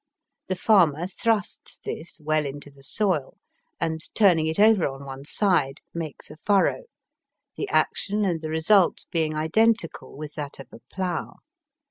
The farmer thrusts this well into the soil, and turning it over on one side, makes a furrow, the action and the result being identical with that of a plough.